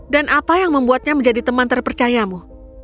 dan apa yang membuatnya menjadi teman terpercayamu